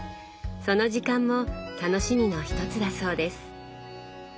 その時間も楽しみの一つだそうです。